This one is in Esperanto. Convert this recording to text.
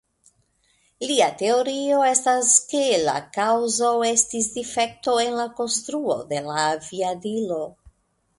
Lia teorio estas ke la kaŭzo estis difekto en la konstruo de la aviadilo.